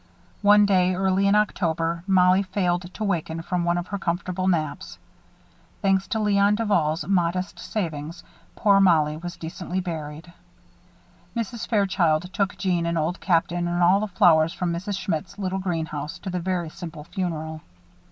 One day, early in October, Mollie failed to waken from one of her comfortable naps. Thanks to Léon Duval's modest savings, poor Mollie was decently buried. Mrs. Fairchild took Jeanne and Old Captain and all the flowers from Mrs. Schmidt's little greenhouse to the very simple funeral.